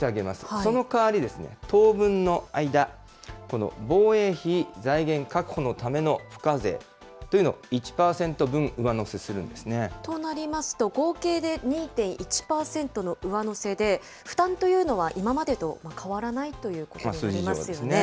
その代わりですね、当分の間、この防衛費財源確保のための付加税というのを１％分上乗せするんとなりますと、合計で２．１％の上乗せで、負担というのは今までと変わらないということにな数字上はですね。